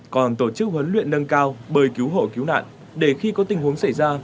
còn tổ chức huấn luyện nâng cao bơi cứu hộ cứu nạn để khi có tình huống xảy ra